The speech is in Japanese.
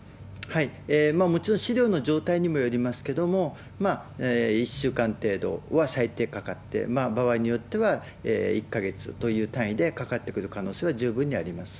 もちろん資料の状態にもよりますけれども、１週間程度は最低かかって、場合によっては１か月という単位でかかってくる可能性は十分にあ